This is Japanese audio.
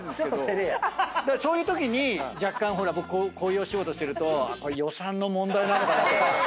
そういうときに若干こういうお仕事してると予算の問題なのかなとか。